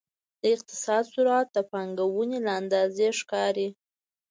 د اقتصاد سرعت د پانګونې له اندازې ښکاري.